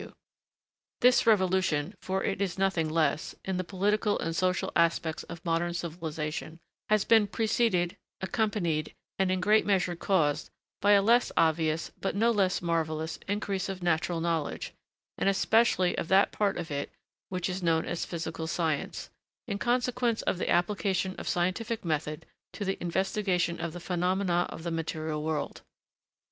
[Sidenote: caused by the increase of physical science] This revolution for it is nothing less in the political and social aspects of modern civilisation has been preceded, accompanied, and in great measure caused, by a less obvious, but no less marvellous, increase of natural knowledge, and especially of that part of it which is known as Physical Science, in consequence of the application of scientific method to the investigation of the phenomena of the material world.